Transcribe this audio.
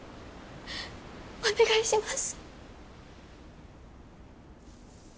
お願いします。